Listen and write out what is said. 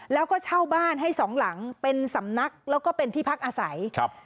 แล้วก็เช่าบ้านให้สองหลังเป็นสำนักแล้วก็เป็นที่พักอาศัยครับ